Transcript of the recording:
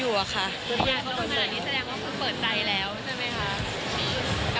อยากโดนขนาดนี้แสดงว่าคือเปิดใจแล้วใช่ไหมคะ